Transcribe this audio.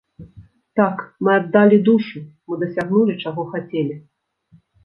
Так, мы аддалі душу, мы дасягнулі, чаго хацелі.